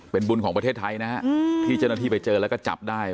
เป็นบุญของประเทศไทยนะฮะที่เจ้าหน้าที่ไปเจอแล้วก็จับได้